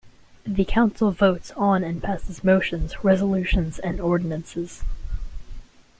The council votes on and passes motions, resolutions and ordinances.